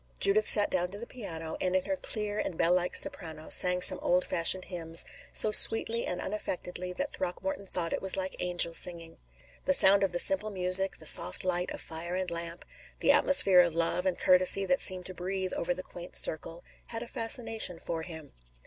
Judith sat down to the piano and in her clear and bell like soprano sang some old fashioned hymns, so sweetly and unaffectedly that Throckmorton thought it was like angels singing. The sound of the simple music, the soft light of fire and lamp, the atmosphere of love and courtesy that seemed to breathe over the quaint circle, had a fascination for him.